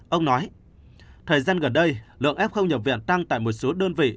ông nói thời gian gần đây lượng f nhập viện tăng tại một số đơn vị